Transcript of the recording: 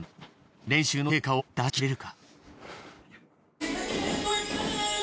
練習の成果を出し切れるか？